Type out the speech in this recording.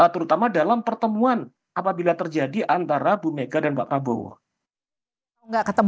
terutama dalam pertemuan apabila terjadi antara bu mega dan mbak pabowo